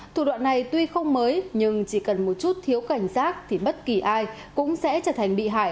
thủ đoạn này tuy không mới nhưng chỉ cần một chút thiếu cảnh giác thì bất kỳ ai cũng sẽ trở thành bị hại